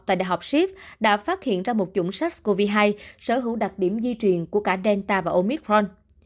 tại đại học ship đã phát hiện ra một chủng sars cov hai sở hữu đặc điểm di truyền của cả delta và omitron